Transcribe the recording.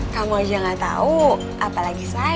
kamu aja gak tahu apalagi saya